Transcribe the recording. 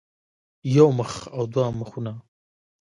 يو مخ او دوه مخونه